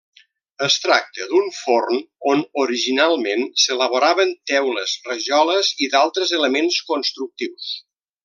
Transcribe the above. Es tracta d'un forn on originalment s'elaboraven teules, rajoles i d'altres elements constructius.